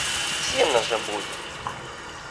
Сено же будет!